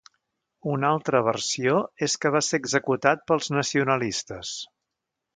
Una altra versió és que va ser executat pels nacionalistes.